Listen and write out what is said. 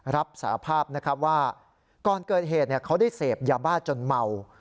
รับสาภาพนะครับว่าก่อนเกิดเหตุเขาได้เสพยาบ้าจนเมา